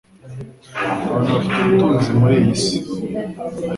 Abantu bafite ubutunzi bwo muri iyi si